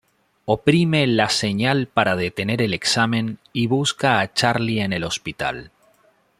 Oprime la señal para detener el examen y busca a Charlie en el hospital.